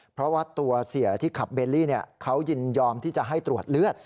เพราะว่าตัวเสียที่ขับเบลลี่เขายินยอมที่จะให้ตรวจเลือด